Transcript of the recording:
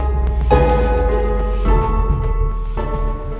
pak sumarno ini